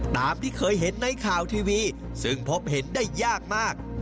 ตามที่เคยเห็นในข่าวทีวีซึ่งพบเห็นได้ยากมาก